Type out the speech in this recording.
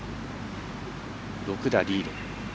６打リード。